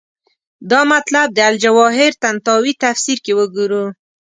دا مطلب د الجواهر طنطاوي تفسیر کې وګورو.